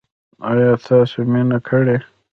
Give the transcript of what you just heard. ایا تاسو مینه کړې؟